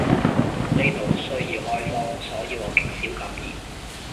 呢度需要開荒，所以我極少禁言